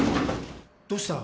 どうした？